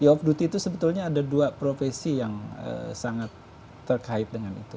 di off duty itu sebetulnya ada dua profesi yang sangat terkait dengan itu